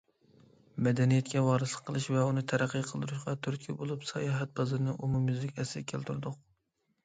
مەدەنىيەتكە ۋارىسلىق قىلىش ۋە ئۇنى تەرەققىي قىلدۇرۇشقا تۈرتكە بولۇپ، ساياھەت بازىرىنى ئومۇميۈزلۈك ئەسلىگە كەلتۈردۇق.